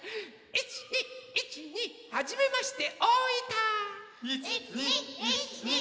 １２１２はじめまして大分！